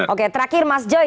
oke terakhir mas joy